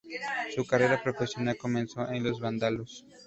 Su carrera profesional comenzó en Los Vándalos.